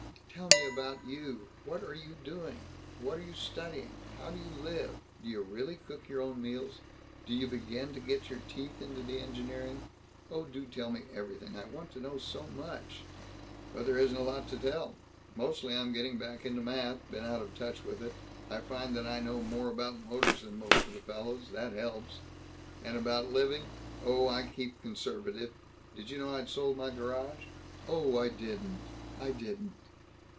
Tell me about you. What are you doing? What are you studying? How do you live? Do you really cook your own meals? Do you begin to get your teeth into the engineering? Oh, do tell me everything. I want to know, so much!" "There isn't a whole lot to tell. Mostly I'm getting back into math. Been out of touch with it. I find that I know more about motors than most of the fellows. That helps. And about living oh, I keep conservative. Did you know I'd sold my garage?" "Oh, I didn't, I didn't!"